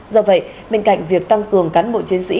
do vậy bên cạnh việc tăng cường cán bộ chiến sĩ